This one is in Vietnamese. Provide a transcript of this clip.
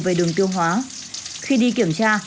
về đường tiêu hóa khi đi kiểm tra